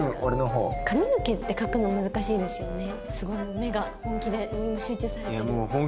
すごい目が本気で集中されてる。